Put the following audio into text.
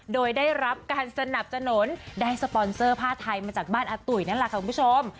โดยได้รับการสนับสนุนได้สปอนเซอร์ผ้าไทยมาจากบ้านอาตุ๋ยนั่นแหละค่ะคุณผู้ชม